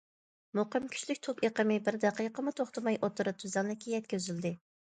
مۇقىم، كۈچلۈك توك ئېقىمى بىر دەقىقىمۇ توختىماي ئوتتۇرا تۈزلەڭلىككە يەتكۈزۈلدى.